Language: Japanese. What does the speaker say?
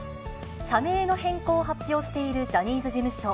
社名の変更を発表しているジャニーズ事務所。